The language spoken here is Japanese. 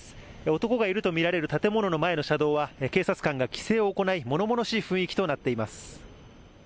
男がいると見られる建物の前の車道は警察官が規制を行いものものしい雰囲気となっています。